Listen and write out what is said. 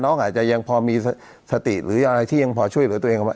อาจจะยังพอมีสติหรืออะไรที่ยังพอช่วยเหลือตัวเองออกมา